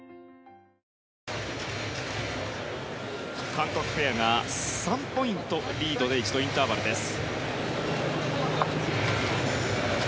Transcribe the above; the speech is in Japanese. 韓国ペアが３ポイントリードで一度インターバルです。